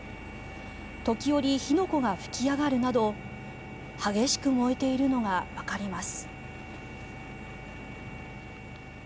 時折、火の粉が吹き上がるなど激しく燃えているのがわかります。